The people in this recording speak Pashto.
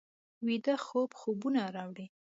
ویده خوب خوبونه راوړي